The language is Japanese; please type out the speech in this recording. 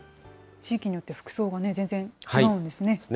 地域によって服装が全然違うんですね。